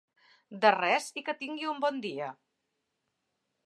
De res i que tingui un bon dia.